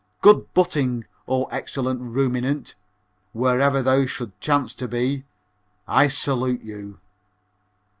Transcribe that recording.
Good butting, O excellent ruminant, wherever thou should chance to be. I salute you."